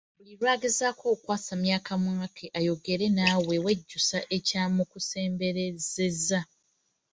Buli lwagezaako okwasamya akamwa ayogere naawe newejjusa ekyamukusemberesezza.